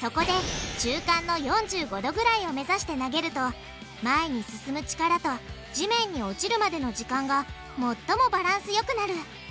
そこで中間の４５°ぐらいを目指して投げると前に進む力と地面に落ちるまでの時間が最もバランスよくなる。